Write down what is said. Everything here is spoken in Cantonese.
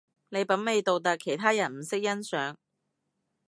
你品味獨特，其他人唔識欣賞